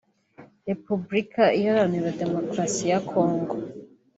Repuburika Iharanira Demokarasi ya Congo